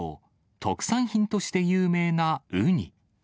特産品として有名なウニ。